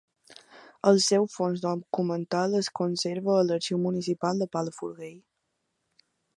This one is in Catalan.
El seu fons documental es conserva a l'Arxiu Municipal de Palafrugell.